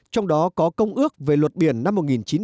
trong đó có công ước về luật biển năm một nghìn chín trăm tám mươi hai